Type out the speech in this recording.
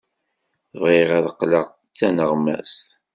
Bɣiɣ ad qqleɣ d taneɣmast.